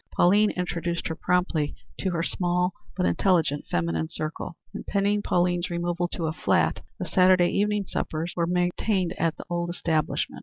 Pauline introduced her promptly to her own small but intelligent feminine circle, and pending Pauline's removal to a flat, the Saturday evening suppers were maintained at the old establishment.